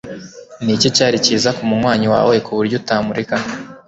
Niki Cyari cyiza k’Umunywanyi wawe kuburyo utamureka